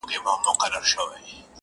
خپلوۍ سوې ختمي غريبۍ خبره ورانه سوله,